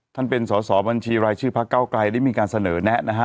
เป็นสอสอบัญชีรายชื่อพักเก้าไกลได้มีการเสนอแนะนะฮะ